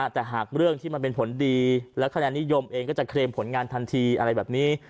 แต่หากเรื่องที่มันเป็นผลดีและคะแนนนิยมเองก็จะเคลมผลงานทันทีอะไรแบบนี้